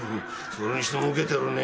それにしてもウケてるね。